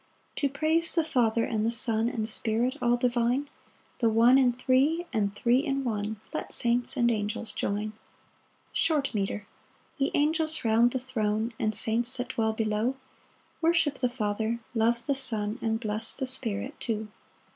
2 To praise the Father and the Son And Spirit all divine, The One in Three, and Three in One, Let saints and angels join. Short Metre. Ye angels round the throne, And saints that dwell below, Worship the Father, love the Son, And bless the Spirit too.